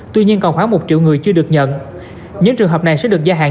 tuy nhiên còn khoảng một triệu người chưa được nhận những trường hợp này sẽ được gia hạn